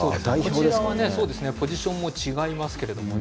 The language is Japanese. こちらはポジションも違いますけれども。